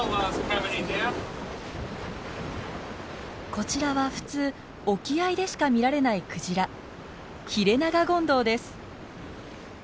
こららは普通沖合でしか見られないクジラヒレナガゴンドウです。